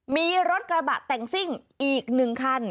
มีรถกระบะแต่งซิ่งอีก๑คัน